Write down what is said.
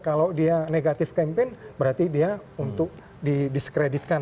kalau dia negatif campaign berarti dia untuk di diskreditkan